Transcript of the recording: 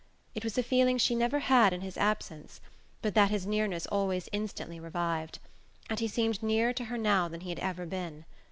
It was a feeling she never had in his absence, but that his nearness always instantly revived; and he seemed nearer to her now than he had ever been.